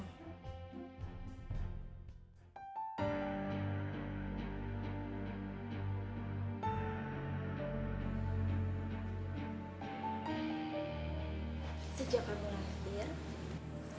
sejak pembunuhnya dia